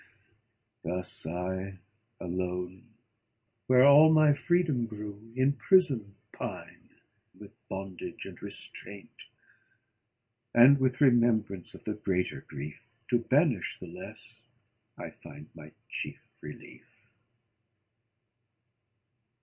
Thus I alone, where all my freedom grew, In prison pine, with bondage and restraint; And with remembrance of the greater grief, To banish the less, I find my chief relief.